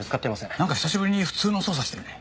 なんか久しぶりに普通の捜査してるね。